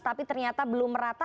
tapi ternyata belum merata